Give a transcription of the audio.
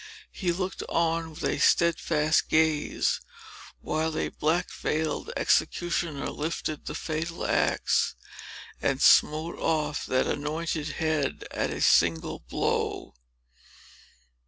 He looked on, with a steadfast gaze, while a black veiled executioner lifted the fatal axe, and smote off that anointed head at a single blow.